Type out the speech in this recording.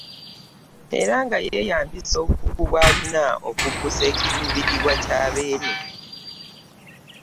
Era nga yeeyambisa obukugu bw'alina okuggusa ekiruubirirwa kya Beene .